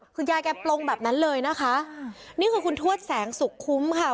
คุณยายแกปลงแบบนั้นเลยนะคะนี่คือคุณทวดแสงสุขคุ้มค่ะ